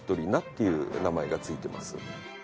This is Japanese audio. いう名前がついてます。